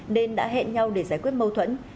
nên đã hẹn nhau để giải quyết mâu thuẫn